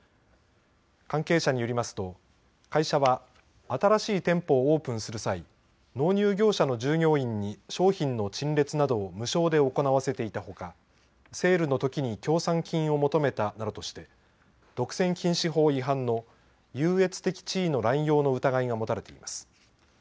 関係者によりますと会社は新しい店舗をオープンする際、納入業者の従業員に商品の陳列などを無償で行わせていたほか、セールのときに協賛金を求めたなどとして独占禁止法違反の優越的地位の乱用の疑いが持たれています。